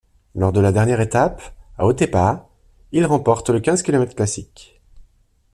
Lors de la dernière étape, à Otepää, ilremporte le quinze kilomètres classique.